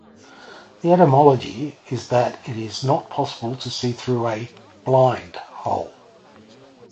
The etymology is that it is not possible to see through a "blind" hole.